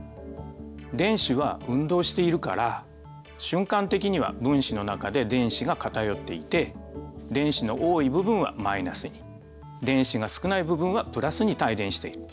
電子は運動しているから瞬間的には分子の中で電子が偏っていて電子の多い部分はマイナスに電子が少ない部分はプラスに帯電している。